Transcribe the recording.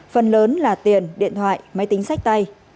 phần lớn là tiền điện thoại máy tính sách tay